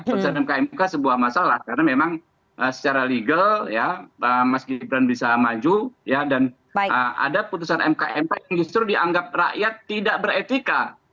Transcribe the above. putusan mk mk sebuah masalah karena memang secara legal ya mas gibran bisa maju dan ada putusan mk mk yang justru dianggap rakyat tidak beretika